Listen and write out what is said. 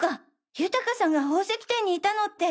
豊さんが宝石店にいたのって。